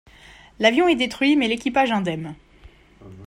L'avion est détruit, mais l'équipage indemne.